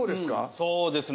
そうですね